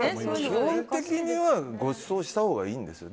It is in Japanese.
基本的にはごちそうしたほうがいいんですよ。